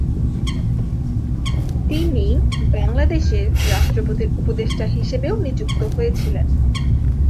তিনি বাংলাদেশের রাষ্ট্রপতির উপদেষ্টা হিসেবেও নিযুক্ত হয়েছিলেন।